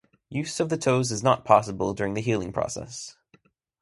Use of the toes is not possible during the healing process.